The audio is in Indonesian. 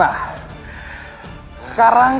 zaman ini kami selesai